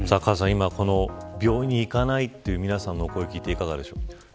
今病院に行かないという皆さんの声を聞いていかがでしょうか。